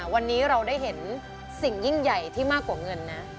วันนี้เราได้เห็นสิ่งยิ่งใหญ่ที่มากกว่าเงินนะ